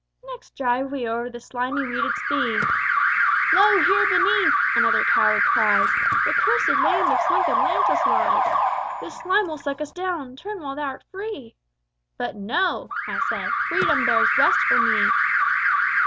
"Next drive we o'er the slimy weeded sea. Lo! here beneath (another coward cries) The cursèd land of sunk Atlantis lies! This slime will suck us down turn while thou'rt free! But no! I said, _Freedom bears West for me!